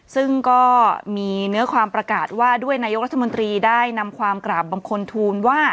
ซึ่งก็มีเนื้อความประกาศว่าด้วยนายกรัฐมนตรีได้นำความกราบบังคลทูลว่า